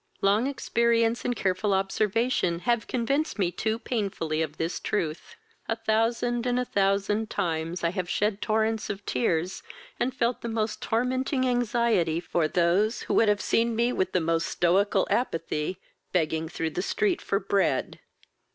Long experience and careful observation have convinced me too painfully of this truth. A thousand and a thousand times I have shed torrents of tears, and felt the most tormenting anxiety for those who would have seen me with the most stoical apathy begging through the street for bread.